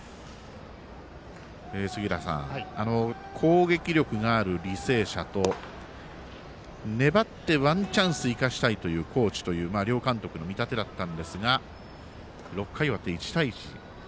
杉浦さん、攻撃力がある履正社と粘ってワンチャンス生かしたい高知という両監督の見立てだったんですが６回終わって１対１。